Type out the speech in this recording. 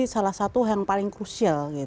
salah satu yang paling krusial